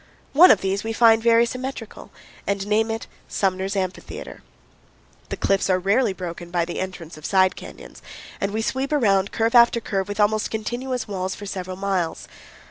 One of these we find very symmetrical and name it Sumner's Amphitheater. The cliffs are rarely broken by the entrance of side canyons, and we sweep around curve after curve with almost continuous walls for several miles.